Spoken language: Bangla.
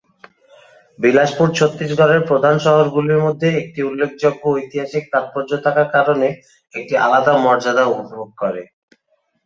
বিলাসপুর ছত্তিশগড়ের প্রধান শহরগুলির মধ্যে একটি উল্লেখযোগ্য ঐতিহাসিক তাৎপর্য থাকার কারণে একটি আলাদা মর্যাদা উপভোগ করে।